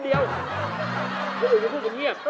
พี่เก๋